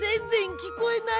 きこえない！